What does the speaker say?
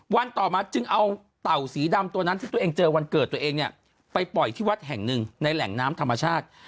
ต่อมาจึงเอาเต่าสีดำตัวนั้นที่ตัวเองเจอวันเกิดตัวเองเนี่ยไปปล่อยที่วัดแห่งหนึ่งในแหล่งน้ำธรรมชาติ